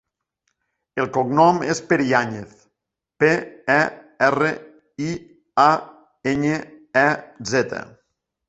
El cognom és Periañez: pe, e, erra, i, a, enya, e, zeta.